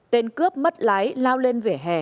tên cướp mất lái lao lên vỉa hè